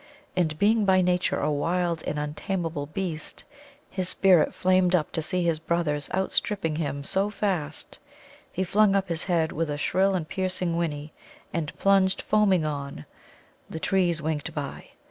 And being by nature a wild and untamable beast, his spirit flamed up to see his brothers out stripping him so fast. He flung up his head with a shrill and piercing whinny, and plunged foaming on. The trees winked by.